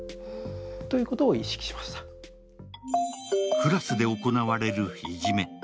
クラスで行われるいじめ。